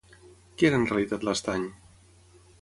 Què era en realitat l'estany?